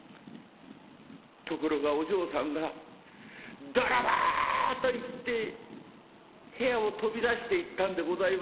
ところがお嬢さんが『泥棒！』と言って部屋を飛び出していったんでございます。